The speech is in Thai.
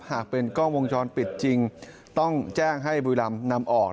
หากเป็นกล้องวงจรปิดจริงต้องแจ้งให้บุรีรำนำออก